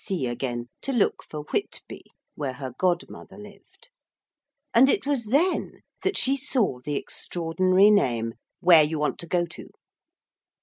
B.C. again to look for Whitby, where her godmother lived. And it was then that she saw the extraordinary name '_Whereyouwantogoto.